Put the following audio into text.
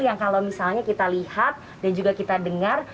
yang kalau misalnya kita lihat dan juga kita dengar